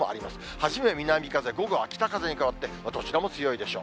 初めは南風、午後は北風に変わって、どちらも強いでしょう。